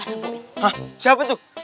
hah siapa tuh